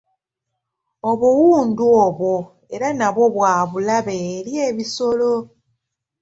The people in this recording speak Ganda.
Obuwundu obwo era nabwo bwa bulabe eri ebisolo.